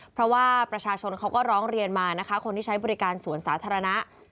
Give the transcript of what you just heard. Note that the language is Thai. เพราะว่าประชาชนเขาก็ร้องเรียนมานะคะคนที่ใช้บริการสวนสาธารณะ